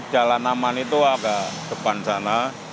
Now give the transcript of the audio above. jalan aman itu agak depan sana